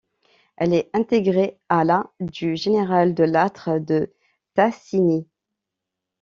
Elle est intégrée à la du général de Lattre de Tassigny.